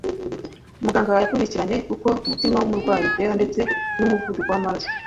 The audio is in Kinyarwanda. muganga yakurikiranye uko umutima wumurwayi utera ndetse n umuvuduko wamaraso